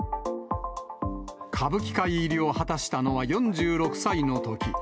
歌舞伎界入りを果たしたのは４６歳のとき。